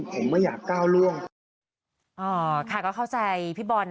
ผมต้องขอถามให้เอง